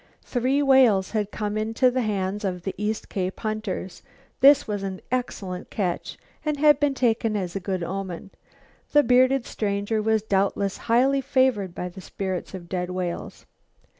Three whales had come into the hands of the East Cape hunters. This was an excellent catch and had been taken as a good omen; the bearded stranger was doubtless highly favored by the spirits of dead whales.